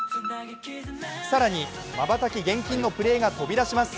更にまばたき厳禁のプレーが飛び出します。